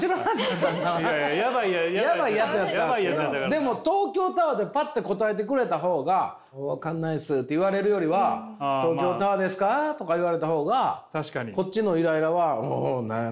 でも東京タワーってパッて答えてくれた方が「分かんないです」って言われるよりは「東京タワーですか？」とか言われた方がこっちのイライラはおお何や？